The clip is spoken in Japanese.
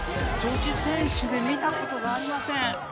女子選手で見たことがありません！